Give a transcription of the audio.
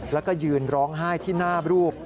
แล้วก็ยืนร้องไห้ที่หน้ารูป